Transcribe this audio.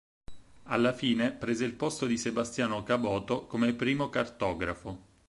Alla fine prese il posto di Sebastiano Caboto come primo cartografo.